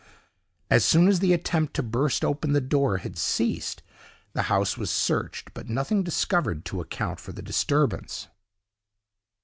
As soon as the attempt to burst open the door had ceased, the house was searched, but nothing discovered to account for the disturbance.